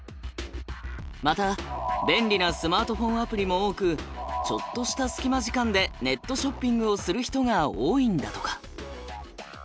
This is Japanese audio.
また便利なスマートフォンアプリも多くちょっとしたスキマ時間でネットショッピングをする人が多いんだとか。